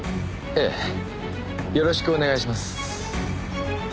よろしくお願いします。